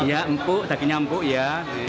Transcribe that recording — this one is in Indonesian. iya empuk dagingnya empuk ya